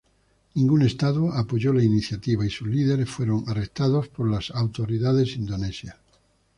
Ningún estado apoyó la iniciativa, y sus líderes fueron arrestados por las autoridades indonesias.